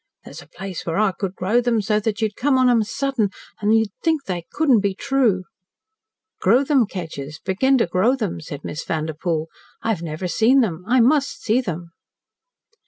There's a place where I could grow them so that you'd come on them sudden, and you'd think they couldn't be true." "Grow them, Kedgers, begin to grow them," said Miss Vanderpoel. "I have never seen them I must see them."